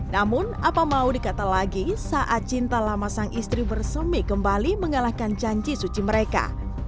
namun apa mau dikata lagi saat cinta lama sang istri bersemi kembali mengalahkan janji suci mereka